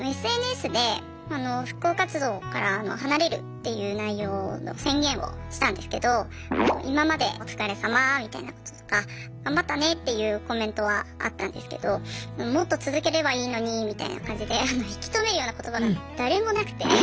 ＳＮＳで復興活動から離れるっていう内容の宣言をしたんですけど「今までお疲れさま」みたいなこととか「頑張ったね」っていうコメントはあったんですけど「もっと続ければいいのに」みたいな感じで引き止めるような言葉が誰もなくて。